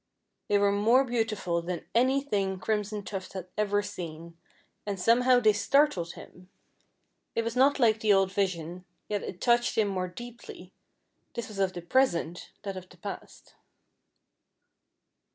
They were more beautiful than any thing Crimson Tuft had ever seen, and some how they startled him. It was not like the old vision, yet it touched him more deeply this was of the present that of the past.